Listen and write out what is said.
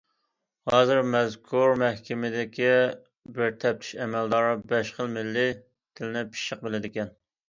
ھازىر مەزكۇر مەھكىمىدىكى بىر تەپتىش ئەمەلدارى بەش خىل مىللىي تىلنى پىششىق بىلىدىكەن.